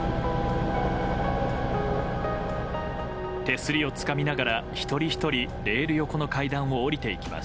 手すりをつかみながら一人ひとりレール横の階段を下りていきます。